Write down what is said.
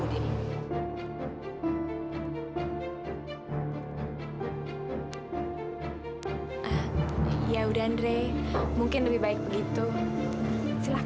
kerana jangan luarios panggilan